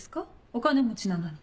お金持ちなのに。